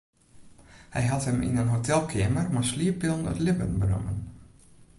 Hy hat him yn in hotelkeamer mei slieppillen it libben benommen.